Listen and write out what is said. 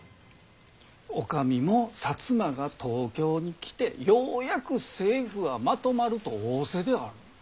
お上も摩が東京に来てようやく政府はまとまると仰せである。